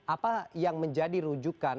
apa yang menjadi rujukan